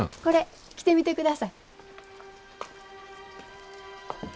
これ着てみてください。